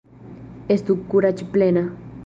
Estu Kuraĝplena!